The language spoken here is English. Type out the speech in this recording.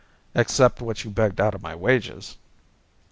"Except what you begged out of my wages."